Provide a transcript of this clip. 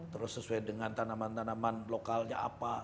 terus sesuai dengan tanaman tanaman lokalnya apa